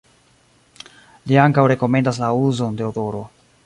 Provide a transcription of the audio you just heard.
Li ankaŭ rekomendas la uzon de odoro.